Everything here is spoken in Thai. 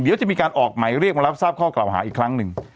เดี๋ยวจะมีการออกหมายเรียกมารับทราบข้อกล่าวหาอีกครั้งหนึ่ง